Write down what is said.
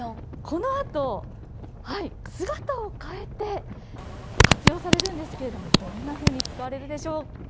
このあと、姿を変えて活用されるんですけれども、どんなふうに使われるでしょうか。